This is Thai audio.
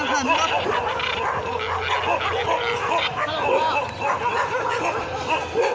หาอันดูสถานการณ์